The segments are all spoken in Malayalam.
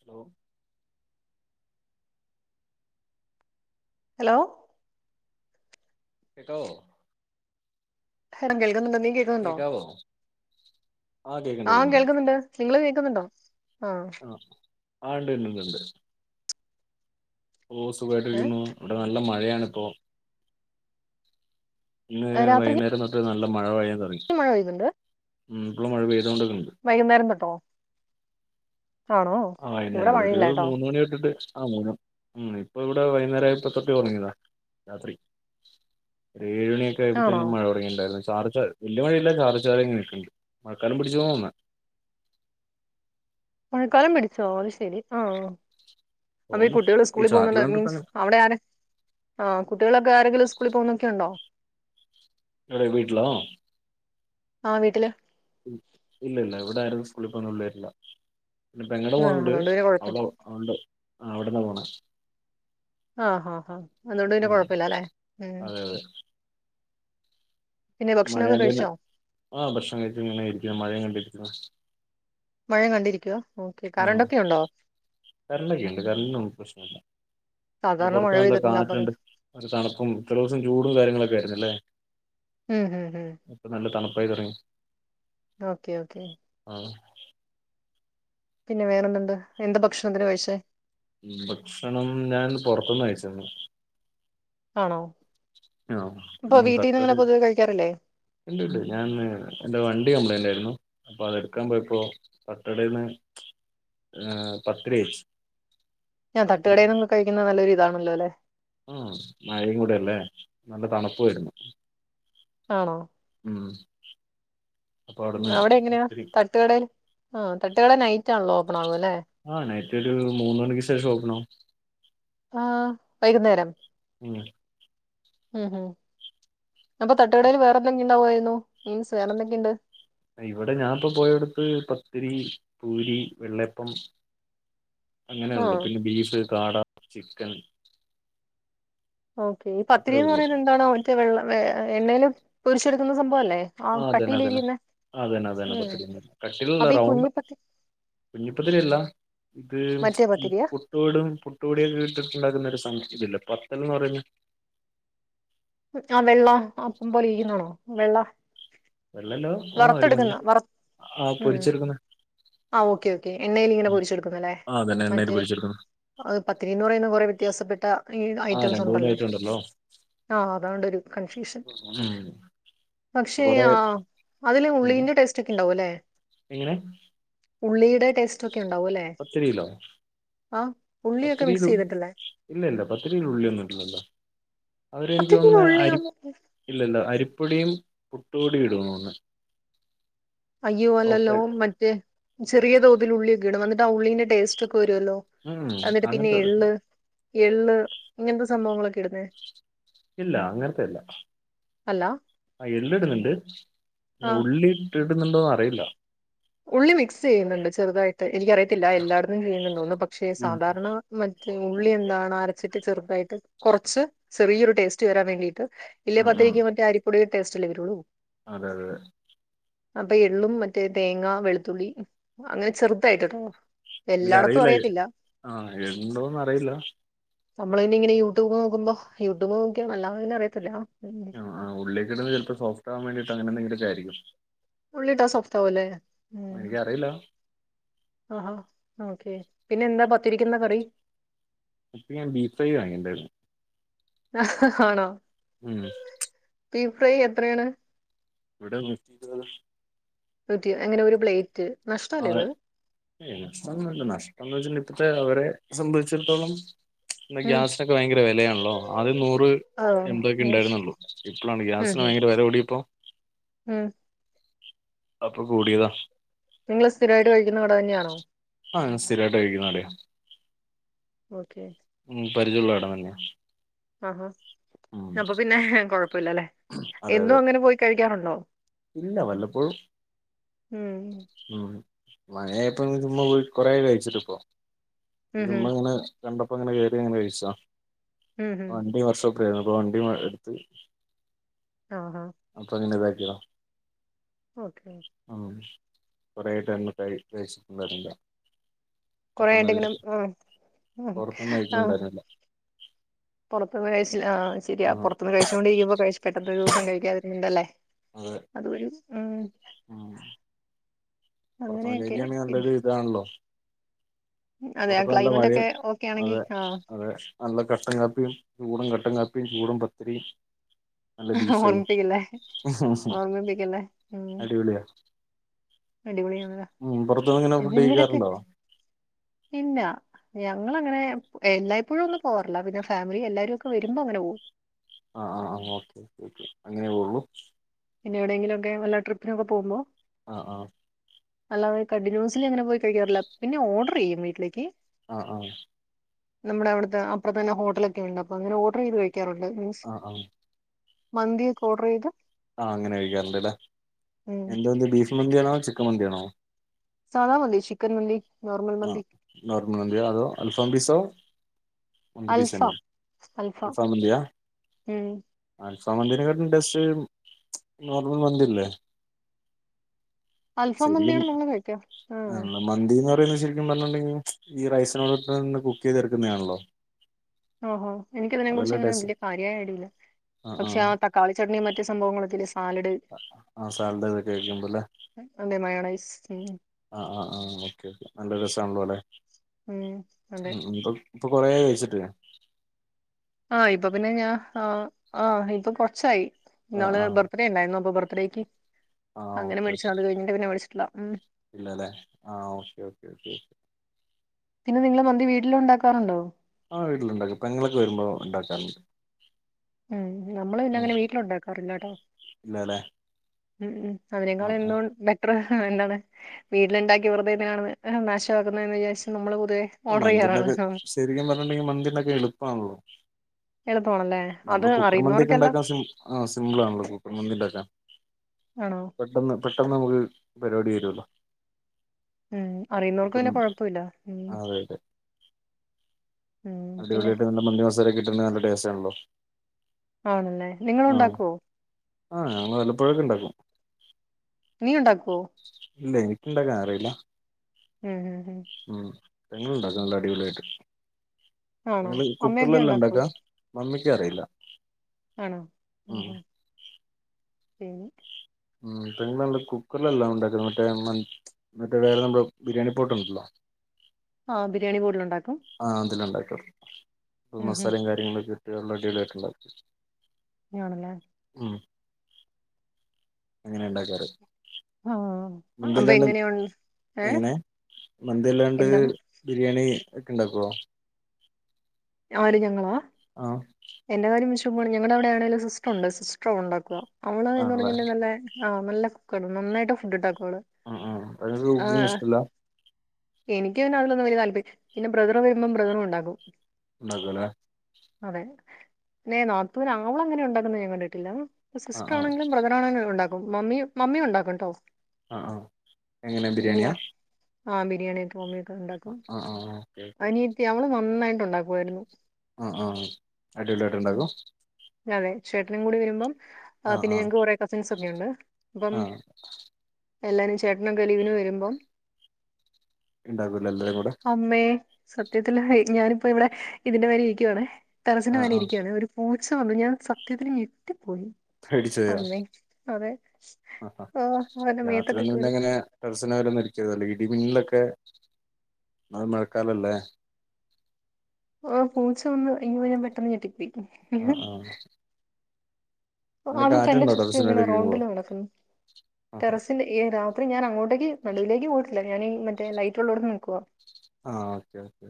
ഹലോ ഹലോ കേക്കാവോ [unintelligible] [unintelligible] നീ കേൾക്കുന്നുണ്ടോ കേക്കാവോ കേക്കണ്ട് ആ കേക്കണ്ട് കേൾക്കുന്നുണ്ട് നിങ്ങള് കേ ന്നൂണ്ടോ ആ ആണ്ട്ണ്ട്ണ്ട് ഓ ഏ സുഖായിട്ടിരിക്കുന്നു ഇവിടെ നല്ല മഴ് യാണിപ്പോ ഇന്ന് ആ, രാത്രിക്ക് വൈകുന്നേരം തൊട്ട് നല്ല മഴ പെയ മഴ പെയ്ന്ന്ണ്ട് ഉം ഇപ്പൊളും മഴ പെയ്തോണ്ട് വൈകുന്നേരം തട്ടോ ആണോ ആ ഇവിടെ വൈകുന്നേരം ഒരു മഴയില്ലാട്ടോ മൂന്ന് മണി തൊട്ടിട്ട് ആ [unintelligible] ഉം ഇപ്പൊ ഇവിടെ വൈകുന്നേരായപ്പത്തൊട്ട് തൊടങ്ങിയതാ രാത്രി ഏഴ് മണിയൊക്കെ ആണോ ആയപ്പഴത്തേനും മഴ തൊടങ്ങിണ്ടായിരുന്നു ചാർ ച വല്യ മഴല്ല ചാറി ചാറി ഇങ്ങനെ നിക്ക്ണ്ട് മഴക്കാലം പിടിച്ചുന്നി തോന്ന്ണെ മഴക്കാലം പിടിച്ചോ അയ്ശരി ആഹ് അ ഈ തോന്നുന്നു കുട്ടികൾ ഈ സ്കൂളിൽ ചാറ്റല് പോകുന്നുണ്ട് മീൻസ് കണ്ടിട്ടങ്ങനെ അവിടെ ആരെ ആ കുട്ടികളൊക്കെ ആരെങ്കിലും സ്കൂളിൽ പോകുന്നൊക്കെയുണ്ടോ എടെ വീട്ടിലോ ആ വീട്ടില് ഇല്ല ഇല്ല ഇവിടെ ആരും സ്കൂളിപ്പോന്നപിള്ളേരില്ല പിന്നെ പെങ്ങടെ ആഹ് മോളുണ്ട് അതുകൊണ്ട് പിന്നെ കുഴപ്പമില്ല അവിള് അവിടെ ആ അവിട്ന്നാ പോണെ ആഹ് ഹാ ഹാ അതുകണ്ട് പിന്നെ ആഹ് കൊഴപ്പില്ല അല്ലേ ഉം പിന്നെ ഭക്ഷണമൊക്കെ മഴണ്ടില കഴിച്ചോ ആ ഭക്ഷണം കയിച്ച് ങ്ങനെയ ഇരിക്ക മഴയും കണ്ടിരിക്ക മഴ കണ്ടിരിക്കുവ ഓക്കെ കറൻ്റെക്കെ ഉണ്ടോ കരണ്ടൊക്കെ ഉണ്ട് കരണ്ട്നൊന്നും പ്രശ്നല്ല സാധാരണ മഴ പൊറത്ത് നല്ല പെയ്തിട്ടുണ്ട് അപ്പൊ കാറ്റ്ണ്ട് തണുപ്പും ത്രോസം ചൂടും കാര്യങ്ങളൊക്കെ ആയിരുന്നു അല്ലേ ഉം ഉം ഉം ഇപ്പം നല്ല തണു പെയ്തെറ ഓക്കെ ഓക്കെ പിന്നെ വേറെന്തുണ്ട് എന്താ ഭക്ഷണത്തിന് കയിച്ചേ ഭക്ഷണം ഞാൻ പൊറത്ത്ന്ന് കയിച്ചന്ന് ആണോ ആ ഇപ്പൊ ഇന്ന് വീട്ടീന്ന് അങ്ങനെ തട്ട്കടേൽ പൊതുവെ കഴിക്കാറില്ലേ ണ്ട് ണ്ട് ഞാൻ എന്റെ വണ്ടി കംപ്ലൈൻ്റായിരുന്നു അപ്പൊ അതെടുക്കാൻ പോയപ്പോ തട്ടടേന്ന് പത്തിരിഅയിച്ച് ങാ തട്ടുകടയിന്ന് കഴിക്കുന്ന നല്ലൊരിതാ ണല്ലേലെ ആ മഴയും കൂടെ ല്ലേ നല്ല തണുപ്പ് വരുന്നു ആണോ മ് അവിടെ എങ്ങനെയാ തട്ടുകടേൽ ആ തട്ടുകട നൈറ്റ് ആണല്ല ഓപ്പണാവുക ആ നൈറ്റ് റ്റൊരു മൂന്ന് മണിക്ക് ശേഷം ഒപ്പണാവും. ആ വൈകുന്നേരം മ് മ് മ് അപ്പൊ തട്ടുകടെൽ വേറെന്തെക്കെ ഉണ്ടാവായിരുന്നു മീൻസ് വേറെന്തൊക്കെയുണ്ട്? ഇവിടെ ഞാാനിപ്പോ പോയടത്ത് പത്തിരി, പൂരി, വെള്ളയപ്പം. അങ്ങനെ ഉള്ളു ആഹ് പിന്നെ ബീഫ്, കാട. ചിക്കൻ ഓക്കേ ഈ അത്രേ പത്തിരിന്ന് ഉള്ളൂ പറയുന്നത് എന്താണ് മറ്റേ വെള്ള വെ എണേല് പൊരിചെടുക്കുന്ന സംഭവല്ലേ? ആ അതന്നെ കട്ടിയില് അതന്നെ ഇരിയുന്നെ ആ അതന്നെ അതെന്നെ ഉം പത്തിരിന്നുപറഞ്ഞ കട്ടിലുള്ള അപ്പൊ ഈ റൗണ്ട് കുഞ്ഞി പത്തി കുഞ്ഞിപ്പത്തിരി അല്ല ഇത് മറ്റേ ഈ പത്തിരിയാ പുട്ടുപൊടും പുട്ട്പൊടിയും ഒക്കെ ഇട്ടിട്ടുണ്ടാക്കുന്ന ഒരു സാധനം. തില്ല പത്തൽന്ന് പറയിന്ന ആ വെള്ള അപ്പം പോലെയിരിക്കന്നാണോ? വെള്ള വെള്ളല്ലോ ആ ഒരു മഞ്ഞ വറത്തെടുക്കുന്ന വറ ആ മ് പൊരിച്ചെടുക്കുന്ന ആ ഓക്കേ ഓക്കേ എണ്ണയിൽ ഇങ്ങനെ ഉം. പൊരിച്ചെടുക്കുന്നല്ലേ ആ അതന്നെ എണ്ണയിൽ മറ്റേ പൊരിച്ചെടുക്കുന്ന പത്തിരിന്ന് പറയുന്നെ കൊറെ വ്യത്യാസപ്പെട്ട ഈ ആ ഐറ്റംസ് രണ്ട് മൂന്ന് ഉണ്ടല്ലോ ഐറ്റം ആ അതോണ്ടൊരു കൺഫ്യൂഷൻ. ഉം പക്ഷേ കൊറേ ആ അതില് ഉള്ളീന്റെ ടേസ്റ്റൊക്കെണ്ട് ഓലെ എങ്ങനെ ഉള്ളീടെ ടെസ്റ്റ് ഒക്കെ ഉണ്ടാവുംല്ലേ ആ പത്തിരിൽ ഇല്ല ഇല്ല പത്തിരിൽ ഉള്ളിയൊന്നും ഇടില്ലല്ലോ. അവരെ എനിക്ക് പത്തിരിക്ക് തോന്നുന്ന ഉള്ളിയോ അരി ഇല്ലല്ല അരി അരിപ്പൊടിയും പുട്ടുപൊടിയും ഇടുന്ന തോന്നുന്നേ അയ്യോ അല്ലല്ലോ മറ്റേ ചെറിയ തോതിൽ ഉള്ളിയക്കെ ഇടും അന്നിട്ട് ട്ട ഉള്ളീൻ്റെ ടേസ്റ്റൊക്കെ വരുവല്ലോ ഉം എന്നിട്ട് പിന്നെ അങ്ങനത്തെ എള്ള് എള്ള് ഇങ്ങനത്തെ സംഭവങ്ങളൊക്കെ ഇടുന്നേ ഇല്ല അങ്ങനത്തെ അല്ല അല്ല ആ എള്ളിടുന്നുണ്ട് അല്ല ആഹ് ഉള്ളിട്ട് ടുന്നുണ്ടോന്ന് അറിയില്ല. ഉള്ളി മിക്സ് ചെയ്യുന്നുണ്ട് ചെറുതായിട്ട് എനിക്കറിയത്തില്ല എല്ലായിടത്തും ചെയ്യുന്നുണ്ടോന്ന് പക്ഷേ ഉം സാധാരണ മറ്റേ ഉള്ളി എന്താണ് അര ചിട്ട് ചെറുതായിട്ട് കൊറച്ച് ചെറിയൊരു ടേസ്റ്റ് വെരാൻ വേണ്ടിയിട്ട് ഇല്ലെ ഉം ഉം പത്തിരിക്ക് മറ്റേ അരിപ്പൊടിടെ ടേസ്റ്റല്ലേ വരൊള്ളു അതെ അതെ അപ്പൊ എള്ളും മറ്റേ തേങ്ങ വെളുത്തുള്ളി മ് അങ്ങനെ ചെറ്തായിട്ടുട്ടോ എനിക്കറിയില്ല ആ എട്ണ്ടോന്നു അറിയില്ല നമ്മള് പിന്നിങ്ങനെ യൂട്യൂബ് നോക്കുമ്പോ യൂട്യൂബ് നോക്കിയാണ് അല്ലാതെ പിന്നെ അറിയത്തില്ല ഉം. ആ ആ ഉള്ളിയക്ക ഇട്ന്ന ചെലപ്പോ സോഫ്റ്റാവാൻ വേണ്ടയിട്ട് അങ്ങനെന്തങ്കിലും യിരിക്കും ഉള്ളിട്ടാ സോഫ്റ്റാവുംലേ ഊം എനിക്കറിയില്ല ആ ആ ഓക്കെ പിന്നെ എന്താ പത്തിരിക്ക് ന്ന് കറി അതിക്ക് ഞാൻ ബീഫ് ഫ്രൈ വാങ്ങിണ്ടായിരുന്നു ആ ആണോ ഉം ബീഫ് ഫ്രൈ എത്രയാണ് ഇവിടെ നൂറ്റിയിരുപത് നൂറ്റി എങ്ങനെ ഒരു പ്ലേറ്റ് നഷ്ടല്ലേ അതെ ഇത് ഏയ് നഷ്ടൊന്നല്ല നഷ്ടംന്ന് വെച്ചി ഇപ്പ അവരെ സംബന്ധിച്ചിടത്തോളം പിന്നെ ഉം ഗ്യാസിനൊക്കെ വയങ്കര വെലയാണല്ലോ ആദ്യം നൂറ് ആഹ് എമ്പതൊക്കെ അത് ശരി ണ്ടായിരുന്നുള്ളു ഇപ്പളാണ് ഉം ഗ്യാസിന് ഉം വയങ്കര വെല കൂടിയപ്പോ ഉം അപ്പൊ കൂടിയതാ നിങ്ങള്ൾ സ്ഥിരായിട്ട് കഴിക്കുന്ന കട തന്നെയാണോ ആ ഞാൻ സ്ഥിരമായിട്ട് കഴിക്കുന്ന ഓക്കെ ഉ പരിചയമുള്ള ഇടം തന്നെയാ ആ ആ ഉം അപ്പൊ പിന്നെ കൊഴപ്പ പ്പല്ലല്ലെ അതെ എന്നും അതെ അങ്ങനെ പോയി കഴിക്കാറുണ്ടോ ഇല്ല വല്ലപ്പോഴും ഉം ഉം മഴ ഇപ്പൊ ഇ ചുമ്പ കൊറെ കഴിച്ചിട്ട ഇപ്പൊ ഉം ഉം മ്മങ്ങനെ രണ്ടപ്പപ്പോ ഇങ്ങനെ കേറി ങ്ങനെ കഴിച്ചാ ഉം ഉം ആ അ ണ്ടി വശോ പ്പോ വണ്ടി എടുത്ത് ആഹാ അപ്പൊങ്ങ താ [unintelligible] ഓക്കെ കുറയട്ട്ന്ന് [unintelligible] കൊറെണ്ടെങ്കിലും ആ ആ പുറത്തൊന്നും ആ കഴിക്കലുണ്ടായിരുന്നില്ല പുറത്ത്ന്ന് കഴിച്ച് ആഹ് ശരിയാ ആ പുറത്തുന്ന് കഴിച്ചോണ്ടിരിക്കുമ്പോ കഴിച്ച് പെട്ടന്ന് ഒരു ദിവസം കഴിക്കാതിരുന്നുണ്ടല്ലേ അതെ അത് വഴി ഉം ഉം പുറത്തൂന്ന് അങ്ങനെയൊക്കെ കഴിക്കാണെങ്കിൽ പിന്നെ, നല്ലൊരു ഇതാണല്ലോ അതെ ആ പുറത്ത് നല്ല ക്ലൈമറ്റ് മഴയും ഒക്കെ ഓക്കെ ആണെങ്കിൽ അതെ ആഹ് അതെ നല്ല കട്ടൻ കാപ്പിയും ചൂടും കട്ടൻ കാപ്പിയും പിന്നെ ചൂടൻ പത്തിരീം ഓർമ്മിപ്പിക്കല്ലേ ഓർമ്മിപ്പിക്കല്ലേ ഉം അടിപൊളിയാ അടിപൊളിയാണല്ലോ ഉം പുറത്തൂന്നിങ്ങിനെ ഫുഡ് ജിമ്മിലൊക്കെ കഴിക്കാറുണ്ടോ? ഇല്ല ഞങ്ങളങ്ങെനെ എല്ലായ്പ്പഴും ഒന്നും പോവാറില്ല പിന്നെ ഫാമിലി എല്ലാരും ഒക്കെ വരുമ്പോ അങ്ങനെ പോവും ആഹ് ആ ആ ഓക്കേ ഓക്കെ ഓക്കെ അങ്ങനെ പോവള്ളു പിന്നെവിടെങ്കിലും ഒക്കെ വല്ല ട്രിപ്പിനൊക്കെ പോകുമ്പോ ആഹ് ആഹ് അല്ലാതെ കണ്ടിന്യൂസ്ലി അങ്ങനെ പോയി കഴിക്കാറില്ല പിന്നെ ഓർഡർ ചെയ്യും വീട്ടിലേക്ക് ആ ആ നമ്മുടെ അവിടുത്തെ അപ്പറത്ത് തന്നെ ഹോട്ടലൊക്കെ ഉണ്ട് അപ്പോ അങ്ങനെ ഓർഡറെയ്തു കഴിക്കും ക്കാറുണ്ട് മീൻസ് ആ മന്തിയൊക്കെ ഓർഡറെയ്തു ആ അങ്ങനെ കഴിക്കാറുണ്ട് അല്ലേ ഉം എന്താന്ത് ബീഫ് മന്തിയാണോ ചിക്കൻ മന്തിയാണോ സാദാ മന്തി ചിക്കൻ മന്തി നോർമൽ ആ മന്തി നോർമൽ മന്തിയോ അതോ അൽഫാം പീസോ മന്തി പീസ് തന്നെ അൽഫാം അൽഫാം ഉം ചമ്മന്തിനേക്കാട്ടിലും ടേസ്റ്റ് നോർമൽ മന്തില്ലേ അൽഫാം മന്തിയാണ് നമ്മ മേടിക്ക ആ പിന്നെ ശരിക്കും പറഞ്ഞിട്ടുണ്ടെങ്കിൽ ഈ റൈസിനോടൊത്ത് തന്നെ കുക്കെയ്തെടു ക്കുന്നെയാണല്ലോ ഓഹോ എനിക്ക് ഇതിനെയും കുറിച്ച് അങ്ങനെ വല്യ കാര്യായ ഐഡിയ ഇല്ല പക്ഷെ ആ തക്കാളി ചട്നിയും മറ്റു [unintelligible] സംഭവങ്ങൾ [unintelligible] ആ സാലഡിതൊക്കെ കഴിക്കുണ്ടല്ലേ എനി ആ ആ ആ ഓക്കെ ക്കെ നല്ല രസാണല്ലോ അല്ലെ ഉം അതെ ഉം ഉം ഇപ്പൊ ഇപ്പൊ കൊറെ കഴിച്ചിട്ട് ഞാൻ ആ ഇപ്പൊ പിന്നെ ഞാ ആ ആ ഇപ്പൊ കൊറച്ചായി ആ ഇന്നാള് ആ ബർത്ത്ഡേ ഉണ്ടായിരുന്നു അപ്പൊ ബർ ബ്രേക്കിംഗ് ആ ഓക്കെ ക്കെ ഉം ഇല്ലേല്ലേ ആ ഓക്കെ ഓക്കെ ഓക്കെ പിന്നെ നിങ്ങള് മന്തി വീട്ടില് ഉണ്ടാക്കാറുണ്ടോ ആ വീട്ടിലുണ്ടാക്കും പെങ്ങളൊക്കെ വരുമ്പോ ഉണ്ടാക്കാറുണ്ട് ഉം നമ്മള് പിന്നെ ഉം അങ്ങനെ വീട്ടില ഉണ്ടാക്കാറില്ലാട്ടോ ഇല്ലല്ലേ ഉം ഉം ഉ ആ അതിനേക്കാളും ആ എല്ലാം ബെറ്ററ് ആ എന്താണ് വീട്ടില്ണ്ടാക്കി വെറുതെ എന്തിനാണ് നാശാക്കുന്നേന്ന് വിചാരിച്ചു നമ്മള് പൊതുവെ ഓർഡർ മന്തിണ്ടാക്ക ചെയ്യാറാണ് ശരിക്കും പറഞ്ഞിട്ടുണ്ടെങ്കിൽ മന്തിണ്ടാക്കാ എളുപ്പാണല്ലോ എളുപ്പമാണല്ലേ അത് നമ്മള് കുക്കർ മന്തിക്കെ അറിയുന്നവർക്കെല്ലാം ഉണ്ടാക്കാൻ സിം ആ സിമ്പിൾ ആണല്ലോ കുക്കർ മന്തി ഉണ്ടാക്കാൻ ആണോ പെട്ടെന്ന് പെട്ടെന്ന് നമുക്ക് പരിപാടി വരുല്ലോ ഉംഹ് അറിയ്ന്നൊർക്ക് പിന്നെ കൊഴപ്പില്ല ആ അതെ അതെ ഉം പിന്നെ അടിപൊളിയാട്ട് നല്ല മന്തി മസാലേക്കിട്ട് തിന്നാ നല്ല ടേസ്റ്റാണല്ലോ ആണല്ലേ നിങ്ങളുണ്ടാകോ ആഹ് ഞങ്ങള് വല്ലപ്പോഴെക്കെ ഉണ്ടാക്കും നീ ഉണ്ടാക്കുവൊ ഇല്ല എനിക്കിണ്ടാക്കാനറീല്ല മ്മ്ഹ് ഹ് ഹ് പെങ്ങള്ണ്ടാക്കും നല്ല അടിപൊളിയാട്ട് ആണോ? നിങ്ങള് അമ്മയൊക്കെ കുക്കറിലല്ലേ ഉണ്ടാക്കുവോ? ഉണ്ടാക്കാ മമ്മി എക്കറീല്ല ആണോ ഹ് ഹ് പിന്ന് ഉംഹ് പെങ്ങളാണ്ടേ കുക്കറിലല്ല ഒണ്ടാക്കുന്നെ മറ്റേ മറ്റേ വേറെ നമ്മളെ ബിരിയാണി പോട്ട് ഉണ്ടല്ലോ ആഹ് ബിരിയാണി കൂടലൊണ്ടാക്കും [unintelligible] യ് മസാലേം കാര്യങ്ങളൊക്കെ വെള്ള അടിപൊളി ആയിട്ടോള്ളെ ഞാണല്ലാ ഉംഹ് എങ്ങനിണ്ടാക്കാറ് ആഹ് അപ്പൊ മന്തില്ലാണ്ട് എങ്ങനെയു ഏഹ് എങ്ങനെ മന്തില്ലാണ്ട് എന്താണ്? ബിരിയാണി എക്കിണ്ടാക്കോ ആര് ഞങ്ങളാ ആഹ്ആ [unintelligible] ഞങ്ങളവ്ടാണേലും സിസ്റ്ററുണ്ട് സിസ്റ്ററുണ്ടാക്കും അവള എന്ന് ആണല്ലേ പറഞ്ഞ് [unintelligible] ആ നല്ലകുക്കാണ് നന്നായിട്ട് ഫുഡ്ണ്ടാക്കും ആ ആ തൈര് കൂട്ടുന്നത് ഇഷ്ടല്ല എനിക്ക് തന്നെ അതിലൊന്നും വലിയ താല്പര്യല്ല. പിന്നെ ബ്രദറു വരുമ്പോം ബ്രദറും ഉണ്ടാക്കും ഉണ്ടാക്കുല്ലേ അതെ ന്നെ നാത്തൂന് ആവളങ്ങനെ ഉണ്ടാകന്നത് ഞാൻ കണ്ടിട്ടില്ല ആ സിസ്റ്റർ ആ ആണേങ്കിലും ബ്രദറാണേലും ണ്ടാക്കും മമ്മി മമ്മിയും ഉണ്ടാക്കുട്ടോ ആഹ് ആഹ് എങ്ങനെ ബിരിയാണിയാ ആഹ് ബിരിയാണിക്കെ മമ്മി യൊക്കെ ഉണ്ടാക്കും ആ ആ ഓക്കെ ഓക്കെ അനിയത്തി അവമ്മള് നന്നായി ഫുഡ് [unintelligible] പോയിരുന്നു ആഹ് ആഹ് അടിപൊളിയായിട്ടുണ്ടാക്കും ലോ ആ പിന്നെ ഞങ്ങക്ക് കുറെേ കസിൻസ് ഒക്കെണ്ട് അപ്പം ആ എല്ലാരും ചേട്ടന കലിവിനു വരുമ്പം ഉണ്ടാക്കൂല എല്ലരും കൂടെ സത്യത്തിൽ ഹയ് ഞാനിപ്പോ ഇവിടെ ഇതിന്റെ മേരി ഇരിക്കുവാണെ ടെറസിൻ്റെ ആഹ് മേലെ ആഹ് ഇരിക്കുകയാണ് ഒരു [unintelligible] [unintelligible] ഞാൻ സത്യത്തില് ഞെട്ടി പേടിച്ചോയോ അതെ ഹ ഹ ആ അവന്റെ മേത്തൊക്കെ കേറി രത്രിയൊന്നും ടെറസിൻ്റെ മേലെ ഇരിക്കരുത് ഇടിമിന്നിലൊക്കെ അ മഴക്കാലല്ലേ ആ പൂച്ച വന്ന് ഇങ്ങ [unintelligible] പെട്ടെന്ന് ഞെട്ടിപ്പോയി ആഹ് ആഹ് അങ്ങനെ രാവിലെ തന്നെ കാറ്റുണ്ടോ ചുറ്റു ടെറസിന്റെ ഇങ്ങനെ മേലേക്ക് ഇരിക്കുമ്പോ റൗണ്ടില് നടക്കുന്നു ആഹ് ടെറസി [unintelligible] അത്ര ഞാൻങ്ങോട്ടേക്ക് നടുവിലേക്ക് പോയിട്ടില്ല ഞാനീ മറ്റ ലൈറ്റ് ഉള്ളടുന്ന് നിക്കുവാ ആഹ് ഓക്കെ ഓക്കെ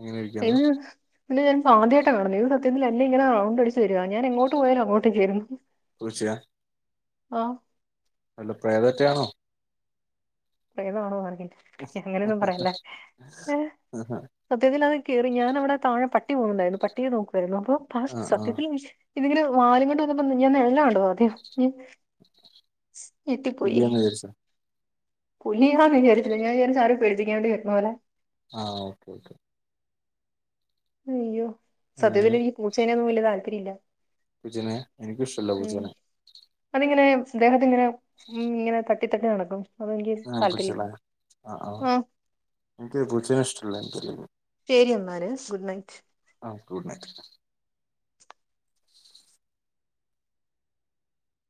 അങ്ങനെ [unintelligible] ഇരിക്കാണ് ഇത് ഞാൻ ആദ്യായിട്ട് കാണണേ അല്ല ഇങ്ങന റൗണ്ട് അടിച്ച് വരുവ ഞാൻ എങ്ങോട്ട് പോയൽ അങ്ങോട്ട് ചേരുന്നു പൂച്ചയാ ആഹ് അല്ല പ്രേതറ്റാണോ പ്രേതാണോന്ന് അങ്ങനെയൊന്നും പറയല്ല ഏ ആഹ് സത്യത്തിൽ അത് കേറി ഞാനവിടെ താഴെ പ ട്ടി പോവുന്നുണ്ടായിരുന്നു പട്ടിയേ നോക്കുവായിരുന്നോ ഒ ഫാസ്റ്റ് ആഹ് സത്യത്തിൽ നി ഇതിങ്ങനെ വാലും കൊണ്ടുവന്നപ്പോ ഞാൻ നിഴലാ കണ്ടത് ആദ്യം ഇ എത്തിപ്പോയി പുലിയാന്ന് വിചാരിച്ചോ പുലിയാന്ന് വിചാരിച്ചില്ല ഞാൻ വിചാരിച്ചു ആരോ പേടിപ്പിക്കാൻ വേണ്ടി വരുന്നതുപോലെ ആ ഓക്കെ ഓക്കെ ഹയ്യോ സത്യത്തിൽ ഈ പൂച്ചേനെയൊന്നും വലൃ താല്പര്യമില്ല പൂച്ചേനേ എനിക്കും ഇഷ്ടല്ല പൂച്ചേനേ ദ്ദേഹത്തിങ്ങനെ ഉം ഇങ്ങനെ തട്ടി തട്ടി നടക്കും അതെനിക്ക് ആ താല്പര്യമില്ല പൂച്ചല്ലേ ആ അ എനിക്ക് പൂച്ചനേ ഇഷ്ടല്ല എനിക്ക് [unintelligible] ശെരി എന്നാല് ഗുഡ് നൈറ്റ് ആ ഗുഡ് നൈറ്റ്